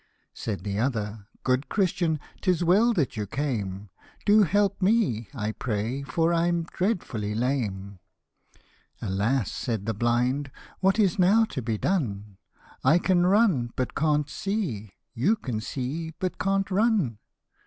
Said the other, " Good Christian ! 'tis well that you came, Do help me, I pray, for I'm dreadfully lame !"" Alas !" said the blind, " what is now to be done? I can run, but can't see: you can see, but can't run."